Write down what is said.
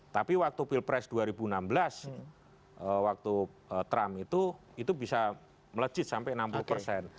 tapi waktu pilpres dua ribu enam belas waktu trump itu itu bisa melejit sampai enam puluh persen